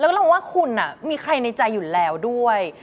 แล้วก็ลองว่าคุณมีใครในใจอยู่แล้วด้วย